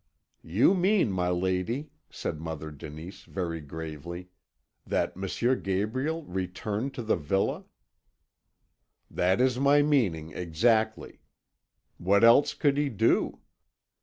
"You mean, my lady," said Mother Denise, very gravely, "that M. Gabriel returned to the villa." "That is my meaning exactly. What else could he do?"